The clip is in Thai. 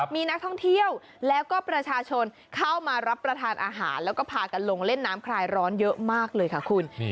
มีนักท่องเที่ยวแล้วก็ประชาชนเข้ามารับประทานอาหารแล้วก็พากันลงเล่นน้ำคลายร้อนเยอะมากเลยค่ะคุณ